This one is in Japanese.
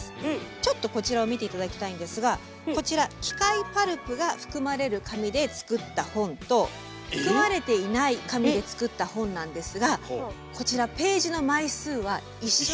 ちょっとこちらを見て頂きたいんですがこちら機械パルプが含まれる紙で作った本と含まれていない紙で作った本なんですがこちらページの枚数は一緒なんです。